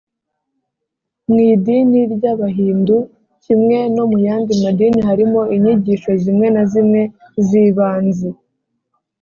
mu idini ry’abahindu, kimwe no mu yandi madini, harimo inyigisho zimwe na zimwe z’ibanze